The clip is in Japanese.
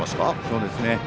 そうですね。